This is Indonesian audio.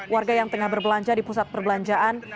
warga yang tengah berbelanja di pusat perbelanjaan